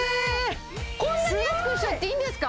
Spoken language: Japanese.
こんなに安くしちゃっていいんですか？